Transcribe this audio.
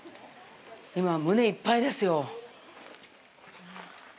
今、胸いっぱいですよ。